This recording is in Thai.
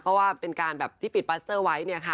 ก็ว่าเป็นการแบบที่ปิดปัสเตอร์ไว้